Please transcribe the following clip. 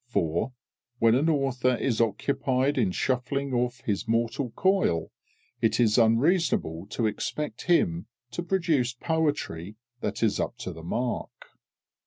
For, when an author is occupied in shuffling off his mortal coil, it is unreasonable to expect him to produce poetry that is up to the mark.